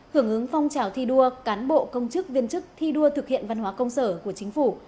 hưởng ứng phong trào thi đua cán bộ công chức viên chức thi đua thực hiện văn hóa công sở của chính phủ